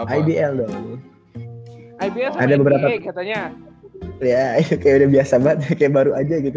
ada beberapa ya kayaknya biasa banget kayak baru aja gitu